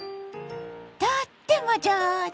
とっても上手！